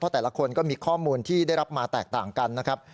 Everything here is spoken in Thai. แต่ละคนก็มีข้อมูลที่ได้รับมาแตกต่างกันนะครับ